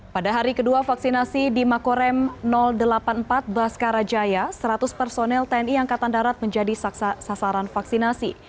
pada hari kedua vaksinasi di makorem delapan puluh empat baskara jaya seratus personel tni angkatan darat menjadi sasaran vaksinasi